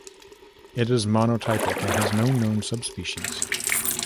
It is monotypic and has no known subspecies.